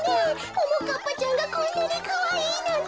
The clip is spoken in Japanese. ももかっぱちゃんがこんなにかわいいなんて。